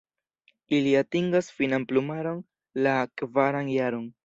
Ili atingas finan plumaron la kvaran jaron.